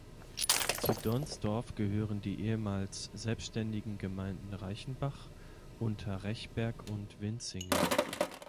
Zu Donzdorf gehören die ehemals selbstständigen Gemeinden Reichenbach unter Rechberg und Winzingen.